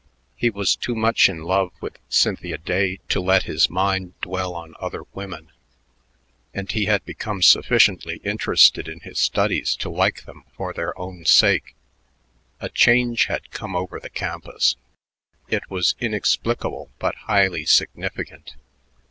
He was too much in love with Cynthia Day to let his mind dwell on other women, and he had become sufficiently interested in his studies to like them for their own sake. A change had come over the campus. It was inexplicable but highly significant.